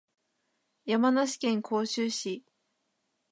山梨県甲州市